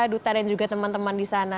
duta dan juga teman teman di sana